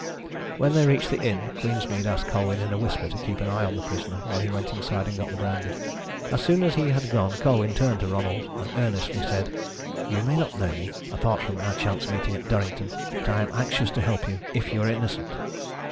When they reached the inn Queensmead asked Colwyn in a whisper to keep an eye on the prisoner while he went inside and got the brandy. As soon as he had gone Colwyn turned to Ronald and earnestly said: "You may not know me, apart from our chance meeting at Durrington, but I am anxious to help you, if you are innocent."